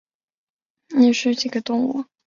锯脚泥蟹为沙蟹科泥蟹属的动物。